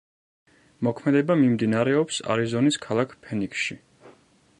მოქმედება მიმდინარეობს არიზონის ქალაქ ფენიქსში.